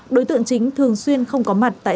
đối tượng chính thường xuyên không có mặt